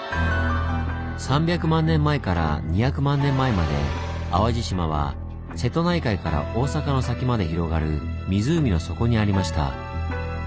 ３００万年前から２００万年前まで淡路島は瀬戸内海から大阪の先まで広がる湖の底にありました。